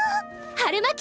春巻き！